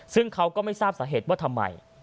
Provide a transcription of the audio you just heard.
ซึ่งเขาก็ไม่ทราบสาเหตุว่าทำไม